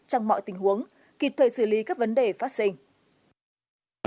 trong mọi tình huống kịp thời xử lý các vấn đề phát sinh